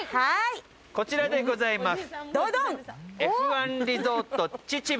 こちらでございます。